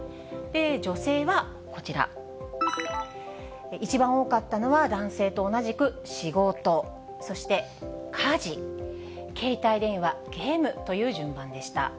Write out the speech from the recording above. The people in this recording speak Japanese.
女性はこちら、一番多かったのは男性と同じく仕事、そして家事、携帯電話、ゲームという順番でした。